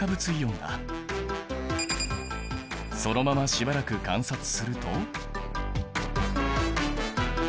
そのまましばらく観察すると。